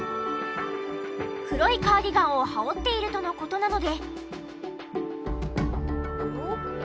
黒いカーディガンを羽織っているとの事なので。